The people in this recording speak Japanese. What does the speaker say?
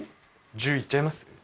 １０ｃｍ行っちゃいます？